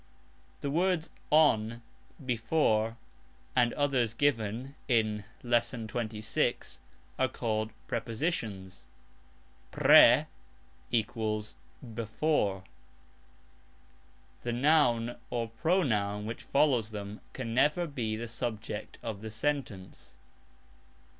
The words "on", "before", and others given [in Lesson 26] are called PREPOSITIONS ("pre" = before). The noun or pronoun which follows them can never be the subject of the sentence.